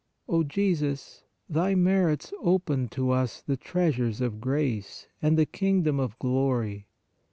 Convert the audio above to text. " O Jesus, Thy merits opened to us the treasures of grace and the Kingdom of glory.